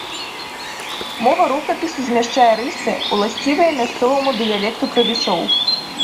Мова рукапісу змяшчае рысы, уласцівыя мясцоваму дыялекту крывічоў.